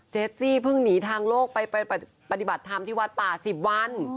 สซี่เพิ่งหนีทางโลกไปปฏิบัติธรรมที่วัดป่า๑๐วัน